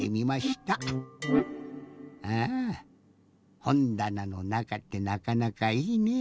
あぁほんだなのなかってなかなかいいね。